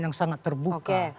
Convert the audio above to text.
yang sangat terbuka